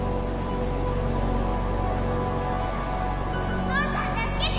お父さん助けて！